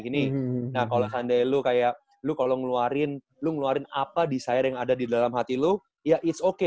nah kalau seandainya lu kayak lu kalau ngeluarin apa desire yang ada di dalam hati lu ya it s okay